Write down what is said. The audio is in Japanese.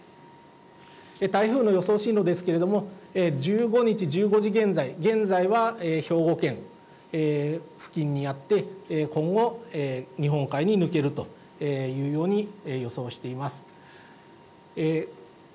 台風の予想進路ですけれども、１５日１５時現在、現在は兵庫県付近にあって、今後、日本海に抜けるというように予想しています。